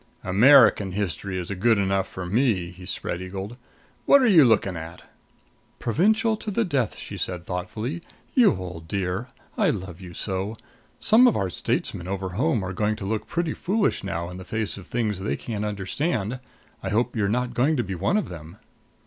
"American history is good enough for me," he spread eagled. "What are you looking at?" "Provincial to the death!" she said thoughtfully. "You old dear I love you so! Some of our statesmen over home are going to look pretty foolish now in the face of things they can't understand, I hope you're not going to be one of them."